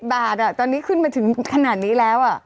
บาทตอนนี้ขึ้นมาถึงขนาดนี้แล้ว